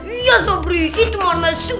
iya sobri itu normal